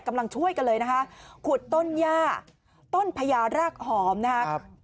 กำลังช่วยกันเลยนะคะขุดต้นย่าต้นพญารากหอมนะครับ